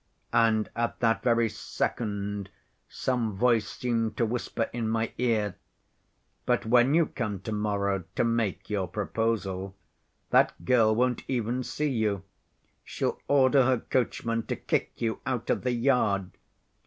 And at that very second some voice seemed to whisper in my ear, 'But when you come to‐morrow to make your proposal, that girl won't even see you; she'll order her coachman to kick you out of the yard.